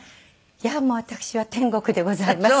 いやもう私は天国でございます。